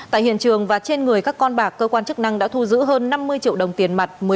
tại hiện trường và trên người các con bạc cơ quan chức năng đã thu giữ hơn năm mươi triệu đồng tiền mặt